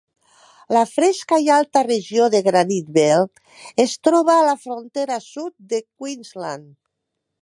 La fresca i alta regió de Granite Belt es troba a la frontera sud de Queensland.